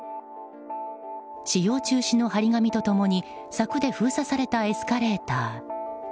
使用中止の貼り紙と共に柵で封鎖されたエスカレーター。